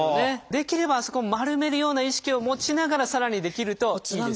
できればあそこは丸めるような意識を持ちながらさらにできるといいです。